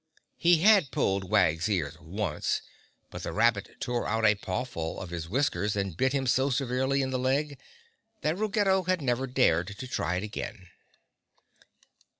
He had pulled Wag's ears once, but the rabbit tore out a pawful of his whiskers, and bit him so severely in the leg that Ruggedo had never dared to try it again.